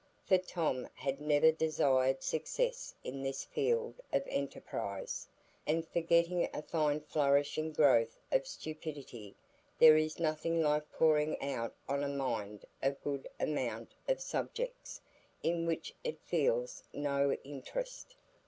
For Tom had never desired success in this field of enterprise; and for getting a fine flourishing growth of stupidity there is nothing like pouring out on a mind a good amount of subjects in which it feels no interest.